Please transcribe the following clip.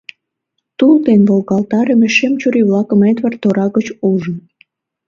Тул дене волгалтарыме шем чурий-влакым Эдвард тора гыч ужын.